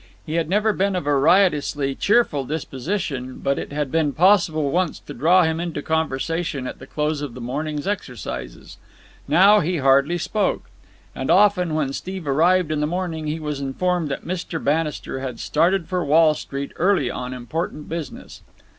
He had never been of a riotously cheerful disposition, but it had been possible once to draw him into conversation at the close of the morning's exercises. Now he hardly spoke. And often, when Steve arrived in the morning, he was informed that Mr. Bannister had started for Wall Street early on important business.